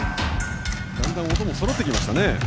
だんだん音もそろってきましたね。